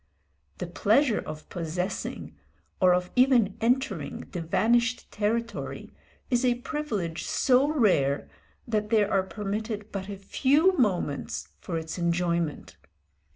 The pleasure of possessing, or of even entering, the vanished territory is a privilege so rare, that there are permitted but a few moments for its enjoyment.